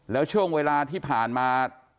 แล้วช่วงเวลาที่ผ่านมา